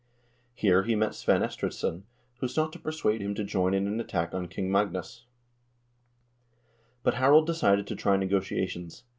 Here he met Svein Estridsson, who sought to persuade him to join in an attack on King Magnus ; but Harald decided to try negotia tions.